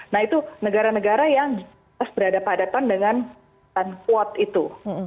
nah itu negara negara yang berhadapan hadapan dengan kuat itu